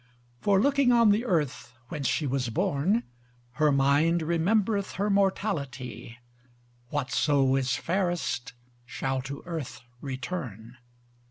For looking on the earth whence she was born, Her mind remembreth her mortality, What so is fairest shall to earth return.